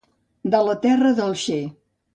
De la terra del xe.